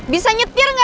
bisa nyetir gak lah